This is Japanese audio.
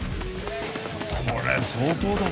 これ相当だ。